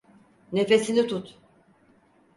Nefesini tut!